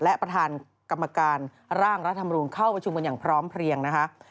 และประธานกรรมการร่างรัฐธรรมนูลเข้าประชุมกันอย่างพร้อมเพลียงนะคะ